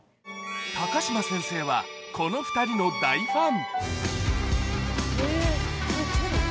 高嶋先生はこの２人の大ファン